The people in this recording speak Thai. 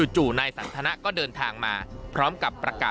จู่นายสันทนะก็เดินทางมา